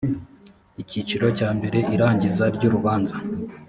icyiciro cya mbere irangiza ry urubanza